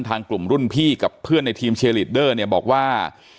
ทางกลุ่มรุ่นพี่กับเพื่อนในทีมเชียร์ลีดเดอร์เนี่ยบอกว่า